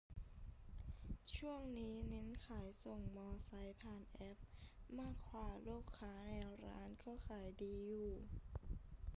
ช่วงนี้เน้นขายส่งมอไซค์ผ่านแอพ มากกว่าลูกค้าในร้าน ก็ขายดีอยู